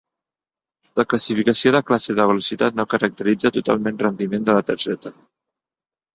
La classificació de classe de velocitat no caracteritza totalment rendiment de la targeta.